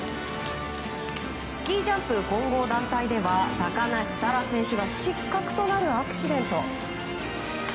スキージャンプ混合団体では高梨沙羅選手が失格となるアクシデント。